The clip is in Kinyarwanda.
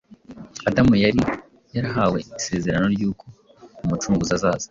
Adamu yari yarahawe isezerano ry’uko Umucunguzi azaza.